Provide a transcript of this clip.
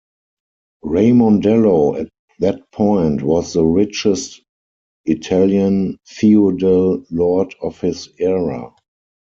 Raimondello at that point was the richest Italian feudal lord of his era.